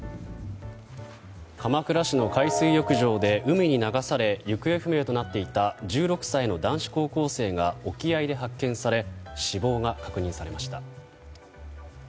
鎌倉市の海水浴場で海に流され行方不明となっていた１６歳の男子高校生が沖合で発見され死亡が確認されました。